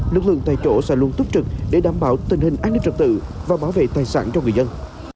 lực lượng tại chỗ sẽ luôn túc trực để đảm bảo tình hình an ninh trật tự và bảo vệ tài sản cho người dân